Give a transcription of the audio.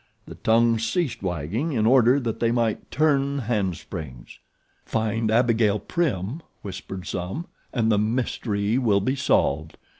The tongues ceased wagging in order that they might turn hand springs. Find Abigail Prim, whispered some, and the mystery will be solved.